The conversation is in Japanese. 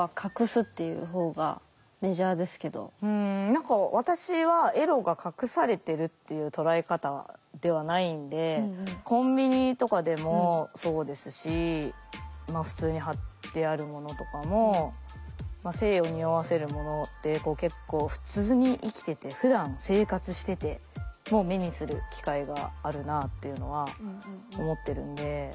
何か私はエロが隠されてるっていう捉え方ではないんでコンビニとかでもそうですし普通に貼ってあるものとかも性をにおわせるものって結構普通に生きててふだん生活してても目にする機会があるなっていうのは思ってるんで。